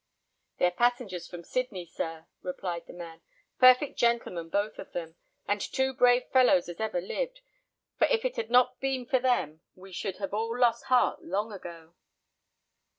"They are passengers from Sidney, sir," replied the man; "perfect gentlemen both of them, and two brave fellows as ever lived; for if it had not been for them, we should have all lost heart long ago."